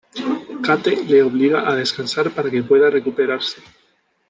Kate le obliga a descansar para que pueda recuperarse.